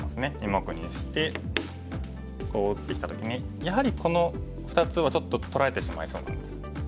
２目にしてこう打ってきた時にやはりこの２つはちょっと取られてしまいそうなんです。